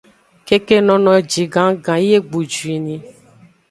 Keke nono eji gannggan yi egbu juinni.